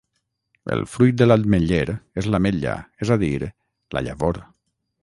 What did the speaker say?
El fruit de l'ametller és l'ametlla, és a dir, la llavor.